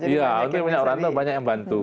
iya banyak yang merantau banyak yang bantu